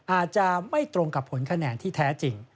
อาจจะไม่ตรงกับผลคะแนนที่แท้จริง